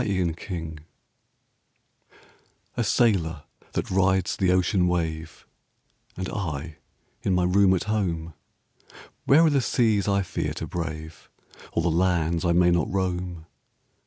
THE SAILOR A sailor that rides the ocean wave, Am I in my room at home : Where are the seas I iear to brave. Or the lands I may not roam?